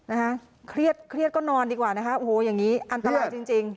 นะคะเครียดเครียดก็นอนดีกว่านะคะโอ้โหอย่างนี้อันตรายจริงจริง